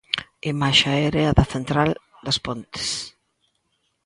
Imaxe aérea da central das Pontes.